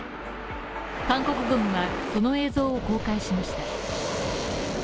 韓国軍はこの映像を公開しました。